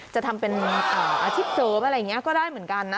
จะทำเป็นอาชีพเสริมอะไรอย่างนี้ก็ได้เหมือนกันนะ